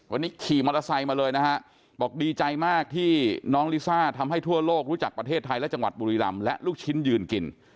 วันนี้ขี่มอเตอร์ไซค์มาเลยนะฮะบอกดีใจมากที่น้องลิซ่าทำให้ทั่วโลกรู้จักประเทศไทยและจังหวัดบุรีรำและลูกชิ้นยืนกิน